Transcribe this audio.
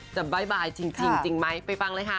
บ๊ายบายจริงไหมไปฟังเลยค่ะ